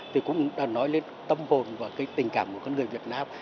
thì cũng nói lên tâm hồn và tình cảm của người việt nam